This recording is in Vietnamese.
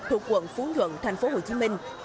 thuộc quận phú nhuận tp hcm